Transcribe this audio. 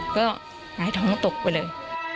ก็หงายท้องตกไปเลย